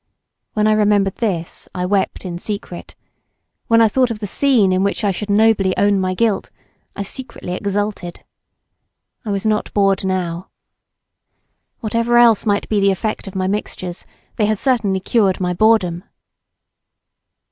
When I remembered this I wept in secret; when I thought of the scene in which I should nobly own my guilt, I secretly exulted. I was not bored now. Whatever else might be the effect of my mixtures, they had certainly cured my boredom.